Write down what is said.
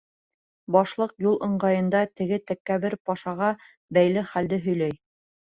Башлыҡ юл ыңғайында теге тәкәббер пашаға бәйле хәлде һөйләй.